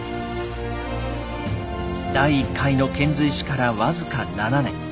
第１回の遣隋使から僅か７年。